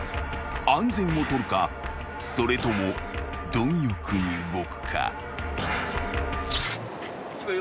［安全を取るかそれとも貪欲に動くか］